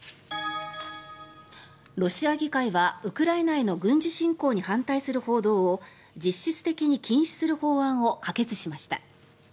ロシア議会はウクライナへの軍事侵攻に反対する報道を実質的に禁止する法案を可決しました。